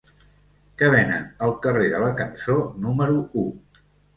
Què venen al carrer de la Cançó número u?